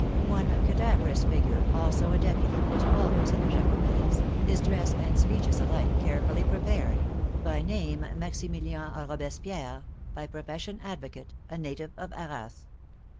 One cadaverous figure, also a deputy, was always at the Jacobins', his dress and speeches alike carefully prepared — by name Maximilian Robespierre, by profession advocate, a native of Arras.